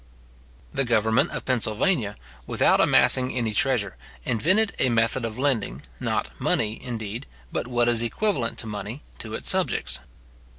The government of Pennsylvania, without amassing any treasure, invented a method of lending, not money, indeed, but what is equivalent to money, to its subjects.